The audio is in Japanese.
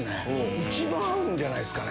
一番合うんじゃないですかね。